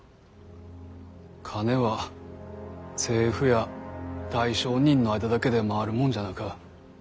金は政府や大商人の間だけで回るもんじゃなか。